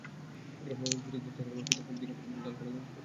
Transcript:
দুধ, দুধে তৈরি খাবার, পেস্তাবাদাম, চীনা বাদাম, ডাল, কলা খান নিয়ম করে।